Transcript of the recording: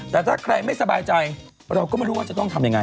แต่ถ้าใครไม่สบายใจเราก็ไม่รู้ว่าจะต้องทำยังไง